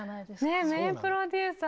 ねえ名プロデューサー。